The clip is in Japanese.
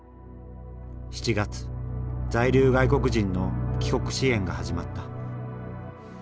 ７月在留外国人の帰国支援が始まった。